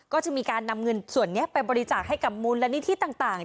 ก็จะมีการนำเงินส่วนนี้ไปบริจาคให้กับมูลนิธิต่าง